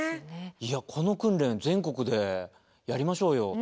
この訓練全国でやりましょうよ